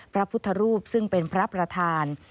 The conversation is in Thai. พระพุทธรูปซึ่งเป็นพระประธาน